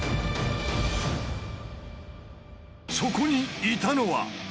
そこにいたのは！